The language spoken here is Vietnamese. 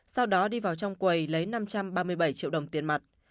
sau đó đi vào trong quầy lấy năm trăm ba mươi bảy triệu đồng tiền mặt